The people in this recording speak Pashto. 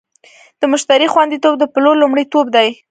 د مشتری خوندیتوب د پلور لومړیتوب دی.